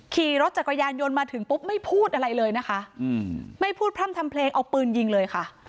ขี่รถจักรยานยนต์มาถึงปุ๊บไม่พูดอะไรเลยนะคะไม่พูดพร่ำทำเพลงเอาปืนยิงเลยค่ะ